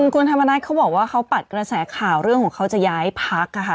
คุณธรรมนัฐเขาบอกว่าเขาปัดกระแสข่าวเรื่องของเขาจะย้ายพักนะคะ